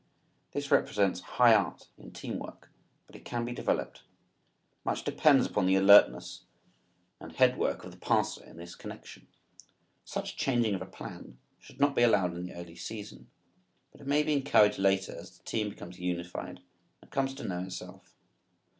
This represents high art in team work but it can be developed. Much depends upon the alertness and head work of the passer in this connection. Such changing of plan should not be allowed in the early season, but it may be encouraged later as the team becomes unified and comes to know itself.